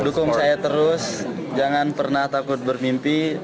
indonesia dukung saya terus jangan pernah takut bermimpi dukung saya apapun terjadi